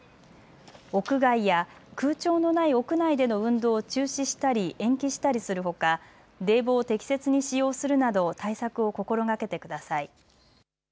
屋外や空調のない屋内での運動を中止したり延期したりするほか冷房を適切に使用するなど対策を心がけてください。